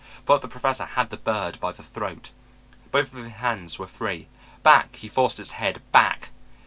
But the Professor had the bird by the throat. Both of his hands were free. Back, he forced its head, back.